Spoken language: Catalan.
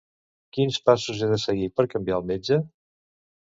Quins passos he de seguir per canviar el metge?